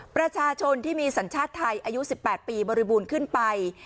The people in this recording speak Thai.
ประชาชนที่มีสัญชาติไทยอายุ๑๘ปีบริบูรณ์ขึ้นไป